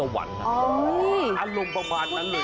อารมณ์ยังไงรู้มั้ยยังไง